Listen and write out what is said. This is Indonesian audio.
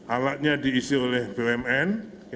alatnya diisi oleh bumn